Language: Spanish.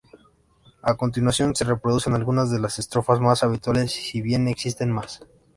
A continuación se reproducen algunas de las estrofas mas habituales si bien existen más.